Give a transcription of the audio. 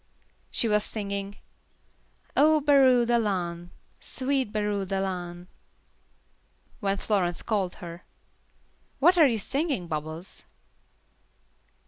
She was singing, "Oh Beurah lan', sweet Beurah lan'," when Florence called her. "What are you singing, Bubbles?"